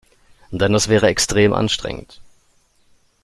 Denn das wäre extrem anstrengend.